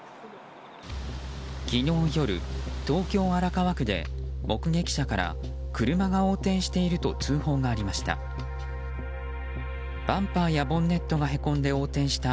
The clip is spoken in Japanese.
昨日午後、東京・荒川区で目撃者から車が横転していると通報がありました。